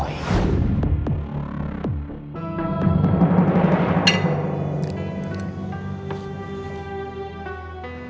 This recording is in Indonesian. jadi ini adalah hal yang harus diperhatikan